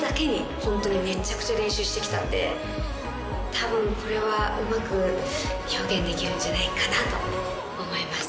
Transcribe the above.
多分これはうまく表現できるんじゃないかなと思います。